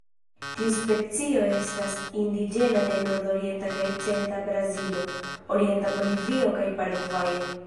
Tiu specio estas indiĝena de nordorienta kaj centra Brazilo, orienta Bolivio kaj Paragvajo.